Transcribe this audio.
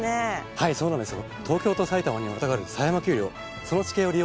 はいそうなんですよ。